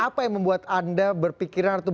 apa yang membuat anda berpikiran atau